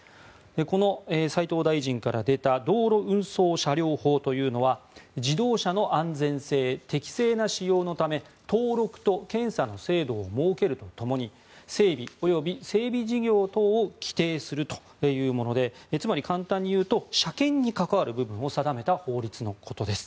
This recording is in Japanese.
この斉藤大臣から出た道路運送車両法というのは自動車の安全性・適正な使用のため登録と検査の制度を設けるとともに整備及び整備事業等を規定するというものでつまり簡単に言うと車検に関わる部分を定めた法律のことです。